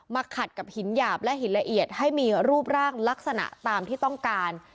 ขัดกับหินหยาบและหินละเอียดให้มีรูปร่างลักษณะตามที่ต้องการ